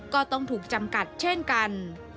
ก็ต้องถูกจำกัดเช่นกัน